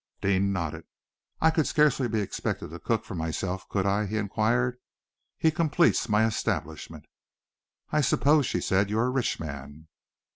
Deane nodded. "I could scarcely be expected to cook for myself, could I?" he inquired. "He completes my establishment." "I suppose," she said, "you are a rich man."